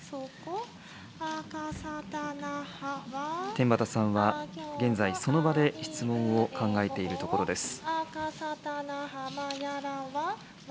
天畠さんは現在、その場で質問を考えているところです。